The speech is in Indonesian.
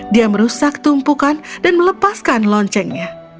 dia merusak tumpukan dan melepaskan loncengnya